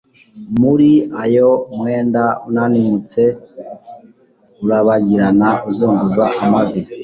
muri ayo mwenda unanimutse, urabagirana uzunguza amavi